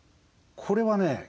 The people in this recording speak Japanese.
これはね